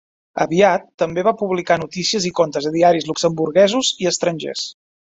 Aviat també va publicar notícies i contes a diaris luxemburguesos i estrangers.